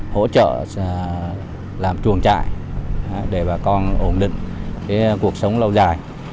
hỗ trợ làm chuồng trại để bà con ổn định cuộc sống lâu dài